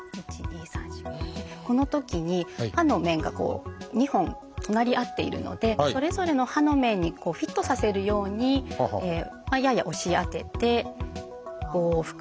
このときに歯の面がこう２本隣り合っているのでそれぞれの歯の面にフィットさせるようにやや押し当てて５往復。